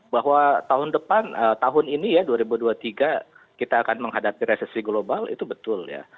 bahwa tahun depan tahun ini ya dua ribu dua puluh tiga kita akan menghadapi resesi global itu betul ya